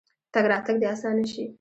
تګ راتګ دې اسانه شي.